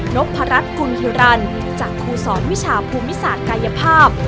นพรัฐคนฮิรันด์จากกูสอนวิชาภูมิศาจกายภาพ